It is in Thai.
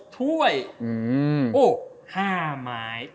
ถ้วย๕ไม้